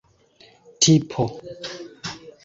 tipo